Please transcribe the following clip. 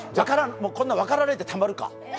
こんなの分かられてたまるか。